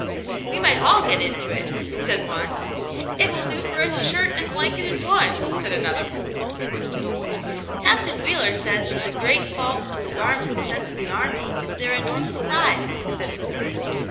" We might all get into it," said one. " It will do for a shirt and blanket in one," said another. Aunt Janets Hero. 73 "Captain Wheeler says that the great fault of the garments sent to the army is their enormous size/' said a third.